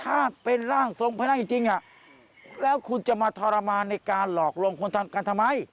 ถ้าเป็นร่างทรงพนักจริงแล้วคุณจะมาทรมานในการหลอกลวงคนกันทำไม